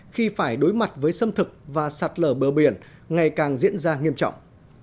khi phải đối mặt với xâm thực và sạt lở bờ biển ngày càng diễn ra nghiêm trọng